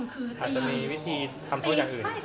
อเจมส์คืออาจจะมีวิธีทำซุ่นอย่างอื่น